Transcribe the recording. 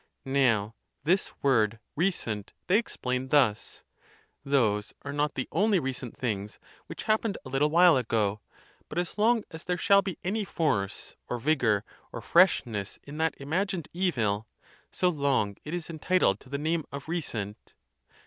Now this word recent they explain thus: those are not the only recent things which happened a little while ago; but as 124 THE TUSCULAN DISPUTATIONS. long as there shall be any force, or vigor, or freshness in that imagined evil, so long it is entitled to the name of re cent.